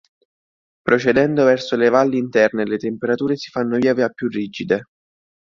Procedendo verso le valli interne le temperature si fanno via via più rigide.